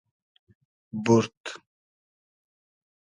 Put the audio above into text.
بورد